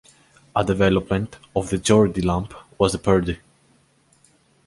A development of the Geordie lamp was the Purdy.